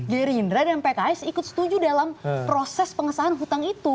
gerindra dan pks ikut setuju dalam proses pengesahan hutang itu